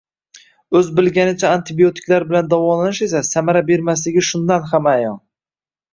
O‘z bilganicha antibiotiklar bilan davolanish esa samara bermasligi shundan ham ayon